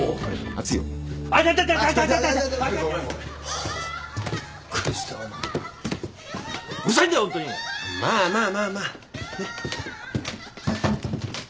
まあまあまあまあ。